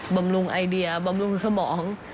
บำรุงไอเดียบำรุงสมอง